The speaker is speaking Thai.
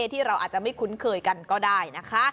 ที่เราอาจจะไม่คุ้นเคยกันก็ได้นะคะ